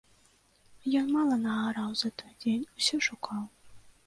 Ён мала наараў за той дзень, усё шукаў.